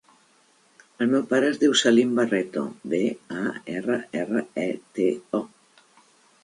El meu pare es diu Salim Barreto: be, a, erra, erra, e, te, o.